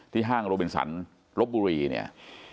ที่ห้างโรเบนสันรบบุรีเนี่ย